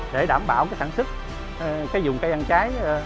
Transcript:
để đảm bảo sản xuất cái dùng cây ăn trái